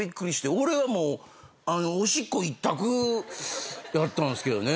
俺はもうおしっこ１択やったんですけどね。